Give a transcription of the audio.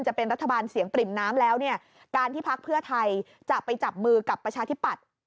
จะเป็นรัฐบาลเสียงปริ่มน้ำแล้วเนี่ยการที่พักเพื่อไทยจะไปจับมือกับประชาธิปัตย์